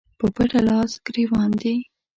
په پټه لاس ګرېوان دي